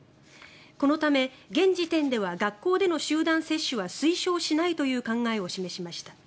このため現時点では学校での集団接種は推奨しないという考えを示しました。